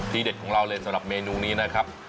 เด็ดของเราเลยสำหรับเมนูนี้นะครับ